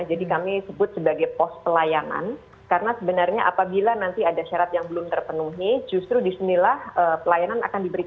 kami sebut sebagai pos pelayanan karena sebenarnya apabila nanti ada syarat yang belum terpenuhi justru disinilah pelayanan akan diberikan